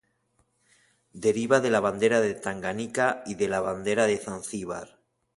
Deriva de la bandera de Tanganica y de la bandera de Zanzíbar.